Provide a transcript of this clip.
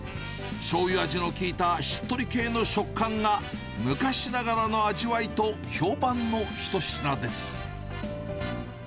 しょうゆ味の効いたしっとり系の食感が、昔ながらの味わいと、評判の一品です。